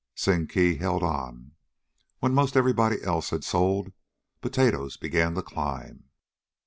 Sing Kee held on. When 'most everybody else had sold, potatoes began to climb.